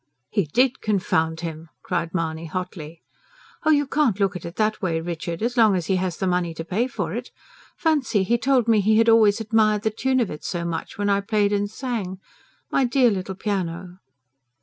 "He did, confound him!" cried Mahony hotly. "Oh, you can't look at it that way, Richard. As long as he has the money to pay for it. Fancy, he told me had always admired the 'tune' of it so much, when I played and sang. My dear little piano!"